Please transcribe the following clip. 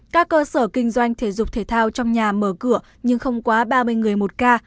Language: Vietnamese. các cơ sở kinh doanh thể dục thể thao trong nhà mở cửa nhưng không quá ba mươi người một ca